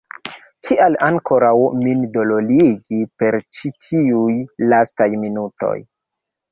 Kial ankoraŭ min dolorigi per ĉi tiuj lastaj minutoj?